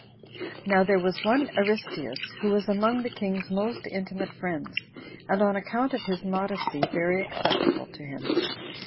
2. Now there was one Aristeus, who was among the king's most intimate friends, and on account of his modesty very acceptable to him.